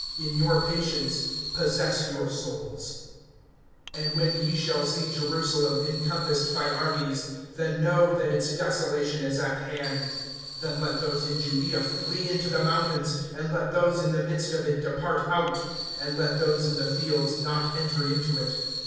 (19)In your patience possess your souls[21:19]. (20)And when ye shall see Jerusalem encompassed by armies, then know that its desolation is at hand. (21)Then let those in Judaea flee into the mountains; and let those in the midst of it depart out; and let those in the fields not enter into it.